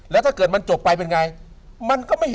แล้วถ้าเกิดมันจบไปเป็นไง